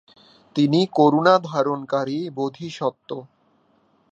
তিনি করুণা ধারণকারী বোধিসত্ত্ব।